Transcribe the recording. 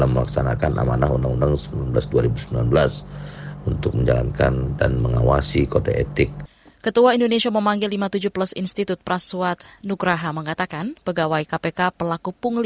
pertama kali kita berkahwin